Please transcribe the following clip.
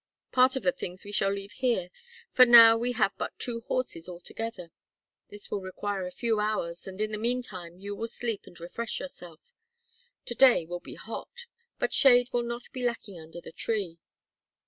Part of the things we shall leave here for now we have but two horses altogether. This will require a few hours and in the meantime you will sleep and refresh yourself. To day will be hot, but shade will not be lacking under the tree."